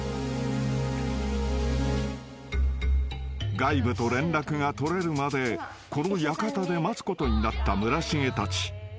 ［外部と連絡が取れるまでこの館で待つことになった村重たち］